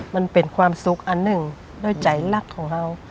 มันเป็นความสุขอันหนึ่งด้วยใจรักของเรา